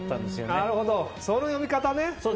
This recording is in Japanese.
なるほど、その読み方ね。